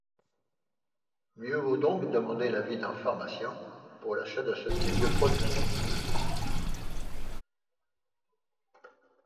Mieux vaut donc demander l’avis d’un pharmacien pour l’achat de ce type de produit.